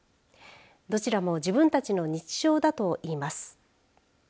どちらも自分たちの日常だといいます。